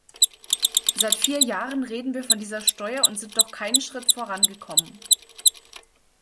Seit vier Jahren reden wir von dieser Steuer und sind doch keinen Schritt vorangekommen.